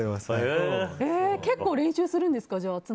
結構、練習するんですか？